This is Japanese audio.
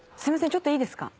ちょっといいですか？